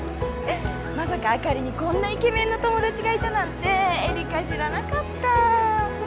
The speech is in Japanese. まさかあかりにこんなイケメンの友達がいたなんて恵里香知らなかった。